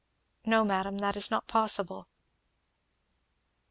"No madam that is not possible."